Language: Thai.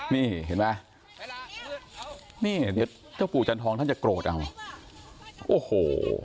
นี่เห็นไหมนี่เดี๋ยวเจ้าปู่จันทองท่านจะโกรธเอาโอ้โห